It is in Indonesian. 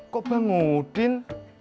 kok bang udin